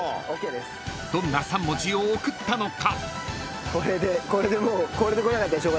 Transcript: ［どんな３文字を送ったのか？］